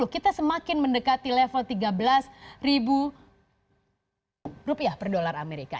kita semakin mendekati level tiga belas rupiah per dolar amerika